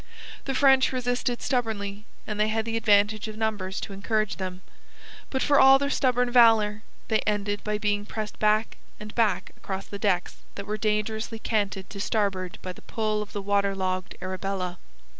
The French resisted stubbornly, and they had the advantage of numbers to encourage them. But for all their stubborn valour, they ended by being pressed back and back across the decks that were dangerously canted to starboard by the pull of the water logged Arabella.